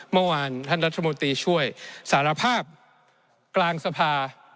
เมื่อวานท่านรัฐมนตรีช่วยสารภาพกลางสภา